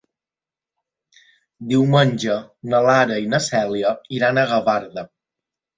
Diumenge na Lara i na Cèlia iran a Gavarda.